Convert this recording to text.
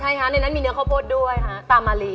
ใช่ฮะในนั้นมีเนื้อข้าวโพดด้วยฮะตามมาลี